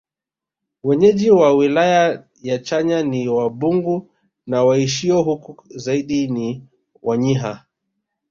Wenyeji wa wilaya ya Chunya ni Wabungu na waishio huko zaidi ni Wanyiha